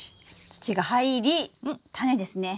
土が入りタネですね！